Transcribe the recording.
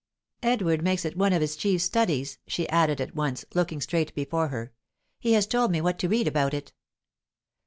"Edward makes it one of his chief studies," she added at once, looking straight before her. "He has told me what to read about it."